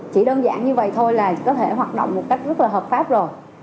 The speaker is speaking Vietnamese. chỉ đơn giản như vậy thôi là có thể hoạt động một cách rất là hợp pháp rồi